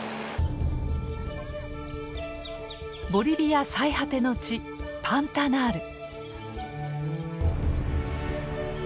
ボリビア最果ての地パンタナール。